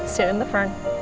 sit di depan